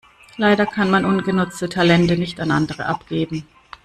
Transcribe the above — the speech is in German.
Leider kann man ungenutzte Talente nicht an andere abgeben.